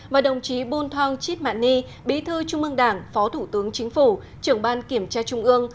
và đồng chí bun thong chit mạn ni bí thư trung ương đảng phó thủ tướng chính phủ trưởng ban kiểm tra trung ương